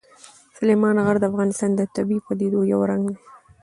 سلیمان غر د افغانستان د طبیعي پدیدو یو رنګ دی.